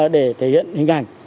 để thể hiện hình ảnh